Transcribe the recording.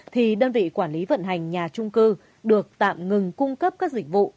thì đơn vị quản lý vận hành nhà trung cư được tạm ngừng cung cấp các dịch vụ